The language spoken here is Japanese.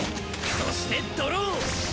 そしてドロー！